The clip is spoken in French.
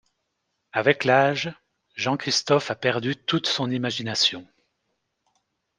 Avec l'âge, Jean-Christophe a perdu toute son imagination.